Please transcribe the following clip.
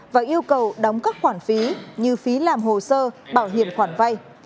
và yêu cầu đóng các khoản phí như phí làm hồ sơ bảo hiểm khoản vay